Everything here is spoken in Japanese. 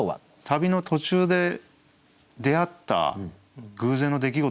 旅の途中で出会った偶然の出来事ですよね。